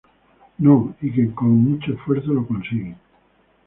No y que con mucho esfuerzo lo consiguen.